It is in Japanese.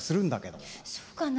そうかな？